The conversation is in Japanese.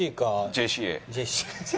ＪＣＡ？